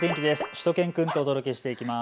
しゅと犬くんとお届けしていきます。